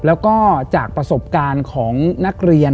แล้วก็จากประสบการณ์ของนักเรียน